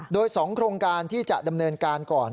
โดย๒โครงการที่จะดำเนินการก่อน